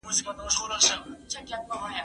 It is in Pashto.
زه پرون کتابونه وړلي؟